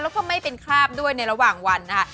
แล้วก็ไม่เป็นคราบด้วยในระหว่างวันนะคะ